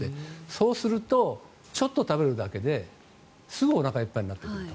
そうするとちょっと食べるだけですぐおなかいっぱいになってくると。